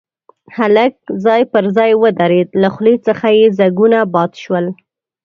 هلک ځای پر ځای ودرېد، له خولې څخه يې ځګونه باد شول.